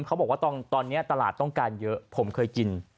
เขาบอกว่าตอนนี้ตลาดต้องการเยอะผมเคยกิน